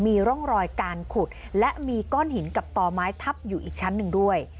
มีร่องรอยการขุดและมีก้อนหินกับต่อไม้ทับอยู่อีกชั้นหนึ่งด้วย